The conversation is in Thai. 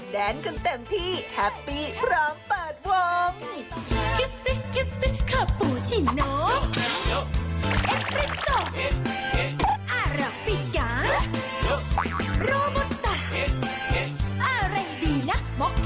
ส่งความมันต่อให้สาวเป็นเถิดเทราะซะด้วย